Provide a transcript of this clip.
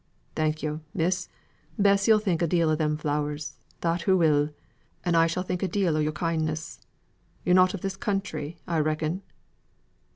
"Thank yo, Miss. Bessy'll think a deal o' them flowers; that hoo will; and I shall think a deal o' yor kindness. Yo're not of this country, I reckon?"